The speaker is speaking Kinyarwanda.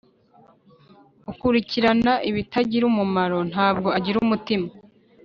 ukurikirana ibitagira umumaro ntabwo agira umutima